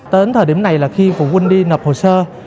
tới thời điểm này là khi của quân đi nập hồ sơ